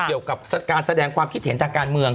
เกี่ยวกับการแสดงความคิดเห็นทางการเมือง